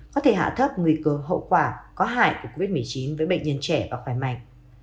có thể hạ thấp nguy cơ hậu quả có hại của covid một mươi chín với bệnh nhân trẻ và khỏe mạnh